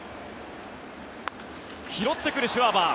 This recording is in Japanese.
拾ってくるシュワバー。